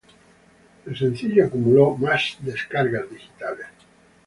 El sencillo acumuló más de descargas digitales.